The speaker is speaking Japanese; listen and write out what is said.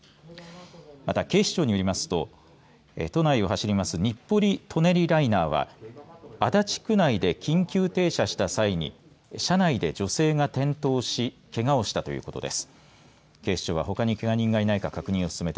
また、警視庁によりますと都内を走ります日暮里舎人ライナーは足立区内で緊急停車した際に車内で女性が転倒しけがをしたということです。